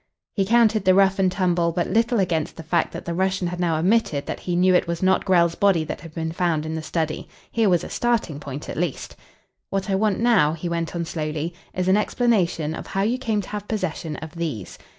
He counted the rough and tumble but little against the fact that the Russian had now admitted that he knew it was not Grell's body that had been found in the study. Here was a starting point at last. "What I want now," he went on slowly, "is an explanation of how you came to have possession of these."